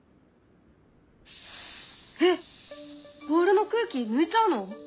えっボールの空気抜いちゃうの？